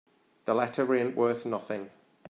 The letter ain't worth nothing.